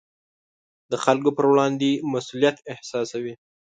د خلکو پر وړاندې مسوولیت احساسوي.